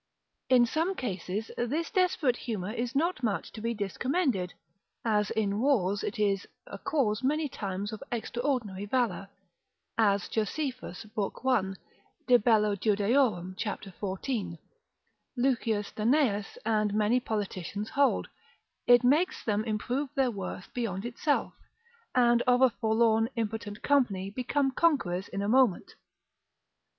In some cases, this desperate humour is not much to be discommended, as in wars it is a cause many times of extraordinary valour; as Joseph, lib. 1. de bello Jud. cap. 14. L. Danaeus in Aphoris. polit. pag. 226. and many politicians hold. It makes them improve their worth beyond itself, and of a forlorn impotent company become conquerors in a moment.